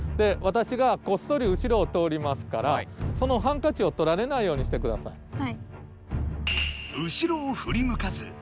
わたしがこっそりうしろを通りますからそのハンカチをとられないようにしてください。